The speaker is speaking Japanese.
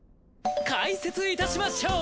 解説いたしましょう。